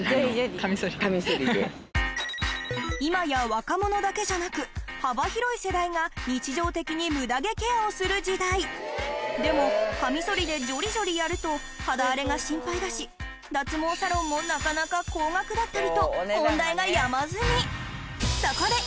今や若者だけじゃなく幅広い世代が日常的にムダ毛ケアをする時代でもカミソリでジョリジョリやると肌荒れが心配だし脱毛サロンもなかなか高額だったりと問題が山積みそこで！